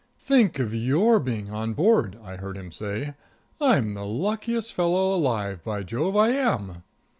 "Think of your being on board!" I heard him say. "I'm the luckiest fellow alive; by Jove, I am!"